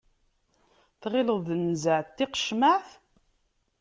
Tɣileḍ d nnzeɛ n tiqecmaɛt.